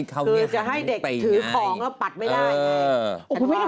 คือจะให้เด็กถือของแล้วปัดไม่ได้ไง